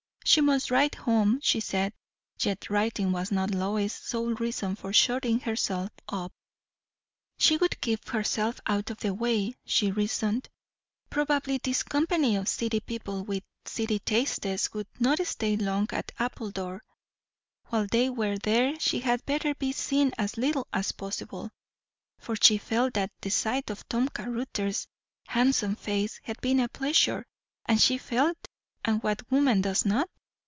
She must write home, she said. Yet writing was not Lois's sole reason for shutting herself up. She would keep herself out of the way, she reasoned. Probably this company of city people with city tastes would not stay long at Appledore; while they were there she had better be seen as little as possible. For she felt that the sight of Tom Caruthers' handsome face had been a pleasure; and she felt and what woman does not?